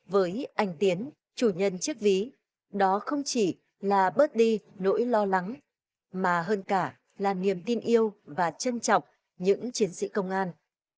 với anh tiến chủ nhân chiếc ví đó không chỉ là bớt đi nỗi lo lắng mà hơn cả là niềm tin yêu và trân trọng những chiến sĩ công an